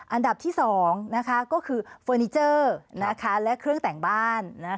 อันดับที่๒ก็คือเฟอร์นิเจอร์และเครื่องแต่งบ้าน